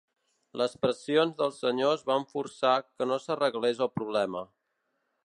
Les pressions dels senyors van forçar que no s'arreglés el problema.